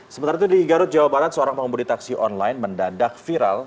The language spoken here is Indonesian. sementara itu di garut jawa barat seorang pengemudi taksi online mendadak viral